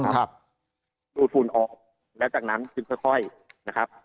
หลุดฝุ่นออกและจากนั้นเรื่องค่อย